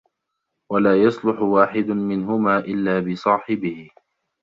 وَلَا يَصْلُحُ وَاحِدٌ مِنْهُمَا إلَّا بِصَاحِبِهِ